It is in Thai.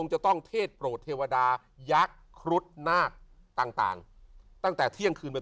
จะต้องเทศโปรดเทวดายักษ์ครุฑนาคต่างตั้งแต่เที่ยงคืนไป